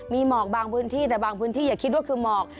มีหมอกบางพื้นที่แต่บางพื้นที่อย่าคิดว่าคือหมอก